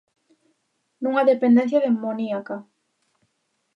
Nunha dependencia demoníaca.